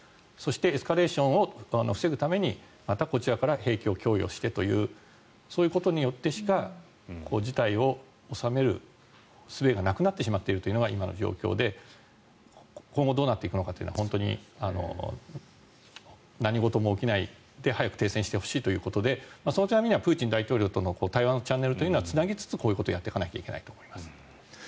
そしてエスカレーションを防ぐために、またこちらから兵器を供与してというそういうことによってしか事態を収めるすべがなくなってしまっているというのが今の状況で今後どうなっていくのかというのは本当に何事も起きないで早く停戦してほしいということでそのためにはプーチン大統領との対話のチャンネルはつなぎつつこういうことをやっていかないといけないと思います。